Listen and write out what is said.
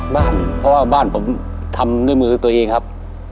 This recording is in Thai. บ้านเพราะว่าบ้านผมทำด้วยมือตัวเองครับ